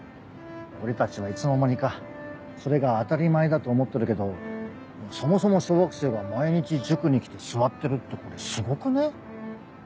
俺たちはいつの間にかそれが当たり前だと思ってるけどそもそも小学生が毎日塾に来て座ってるってこれすごくね？